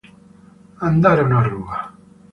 Andarono a ruba.